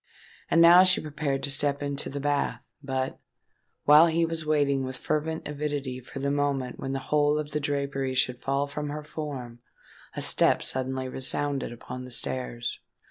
And now she prepared to step into the bath: but, while he was waiting with fervent avidity for the moment when the whole of the drapery should fall from her form, a step suddenly resounded upon the stairs.